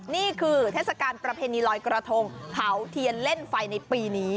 เทศกาลประเพณีลอยกระทงเผาเทียนเล่นไฟในปีนี้